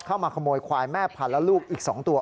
เข้ามาขโมยควายแม่พันธุ์และลูกอีก๒ตัว